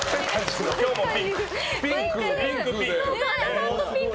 今日もピンク！